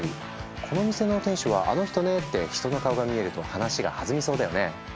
「この店の店主はあの人ね」って人の顔が見えると話が弾みそうだよね。